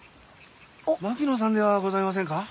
槙野さんではございませんか？